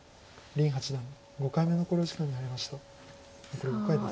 残り５回です。